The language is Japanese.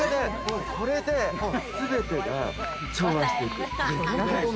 これで全てが調和していく。